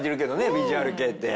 ヴィジュアル系って。